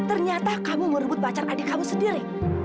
ternyata kamu merebut pacar adik kamu sendiri